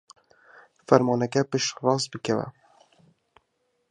فەرمانەکە پشتڕاست بکەوە.